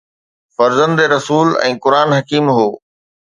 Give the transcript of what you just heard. فرزند رسول ۽ قرآن حڪيم هو